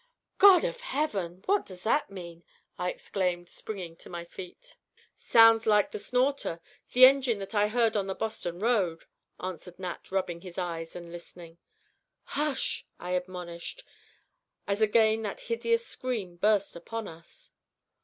"God of heaven! what does that mean?" I exclaimed, springing to my feet. "Sounds like the 'Snorter,' the engine that I heard on the Boston road," answered Nat, rubbing his eyes, and listening. "Hush!" I admonished, as again that hideous scream burst upon us.